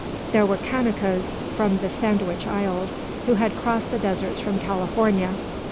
There were Kanakas from the Sandwich Isles, who had crossed the deserts from California.